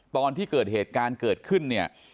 ตอนที่เกิดเหตุการณ์เกิดขึ้นเนี่ย